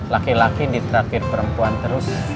laki laki ditrakir perempuan terus